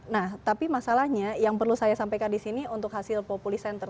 nah tapi masalahnya yang perlu saya sampaikan di sini untuk hasil populi center